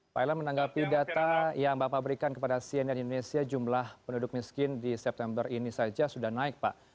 pak ella menanggapi data yang bapak berikan kepada cnn indonesia jumlah penduduk miskin di september ini saja sudah naik pak